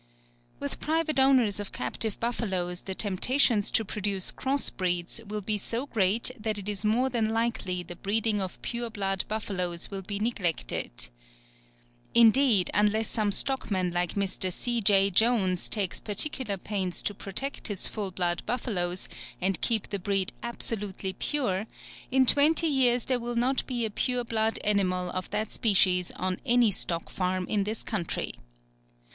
With private owners of captive buffaloes, the temptations to produce cross breeds will be so great that it is more than likely the breeding of pure blood buffaloes will be neglected. Indeed, unless some stockman like Mr. C. J. Jones takes particular pains to protect his full blood buffaloes, and keep the breed absolutely pure, in twenty years there will not be a pure blood animal of that species on any stock farm in this country.